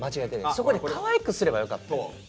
そこでかわいくすればよかったやん。